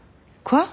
えっ？